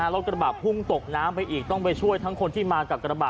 รถกระบะพุ่งตกน้ำไปอีกต้องไปช่วยทั้งคนที่มากับกระบะ